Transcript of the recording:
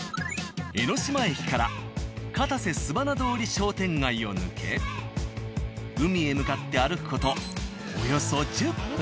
江ノ島駅から片瀬すばな通り商店街を抜け海へ向かって歩く事およそ１０分。